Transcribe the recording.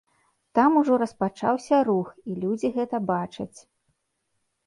Там ужо распачаўся рух, і людзі гэта бачаць.